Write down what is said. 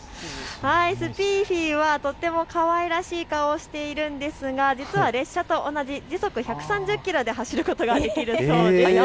スピーフィはとてもかわいらしい顔をしているんですが実は列車と同じ時速１３０キロで走ることができるそうですよ。